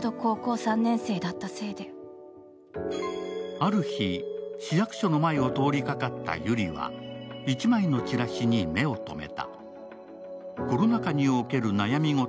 ある日、市役所の前を通りかかったゆりは、１枚のチラシに目を留めた。